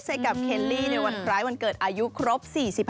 ให้กับเคลลี่ในวันคล้ายวันเกิดอายุครบ๔๕